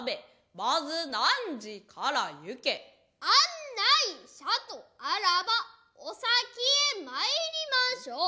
案内者とあらばお先へ参りましょう。